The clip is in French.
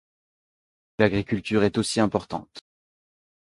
L'agriculture est aussi importante.